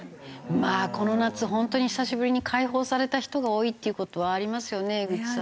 まあこの夏本当に久しぶりに解放された人が多いっていう事はありますよね江口さん。